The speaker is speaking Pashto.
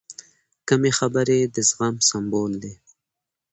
کمې خبرې، د زغم سمبول دی.